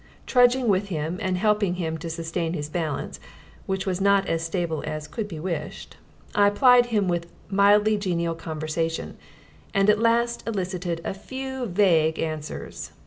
Trudging with him and helping him to sustain his balance, which was not as stable as could be wished, I plied him with mildly genial conversation and at last elicited a few vague answers.